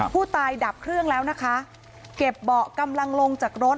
ดับเครื่องแล้วนะคะเก็บเบาะกำลังลงจากรถ